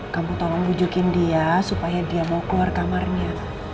kamu tolong bujukin dia supaya dia mau keluar kamarnya